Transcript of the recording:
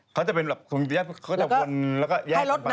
เขาจะเป็นแบบคลุมศรีแยกเขาก็จะวนแล้วก็แยกก่อนไป